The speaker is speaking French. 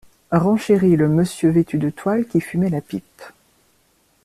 Renchérit le monsieur vêtu de toile qui fumait la pipe.